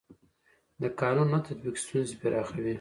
د قانون نه تطبیق ستونزې پراخوي